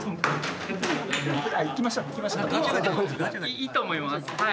いいと思いますはい。